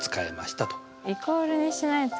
イコールにしないと。